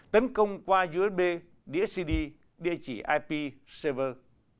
tấn công qua usb đĩa cd địa chỉ ip server